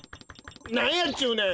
なんやっちゅうねん！